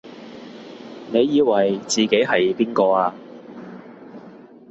你以為自己係邊個啊？